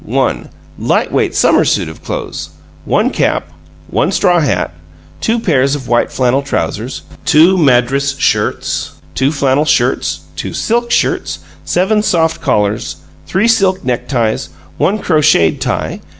One "light weight summer suit of clothes." One cap. One straw hat. Two pairs of white flannel trousers. Two Madras shirts. Two flannel shirts. Two silk shirts. Seven soft collars. Three silk neckties. One crocheted tie.